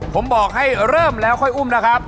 ผมบอกให้เริ่มแล้วค่อยอุ้มนะครับ